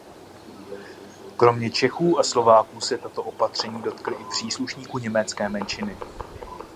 Kromě Čechů a Slováků se tato opatření dotkly i příslušníků německé menšiny.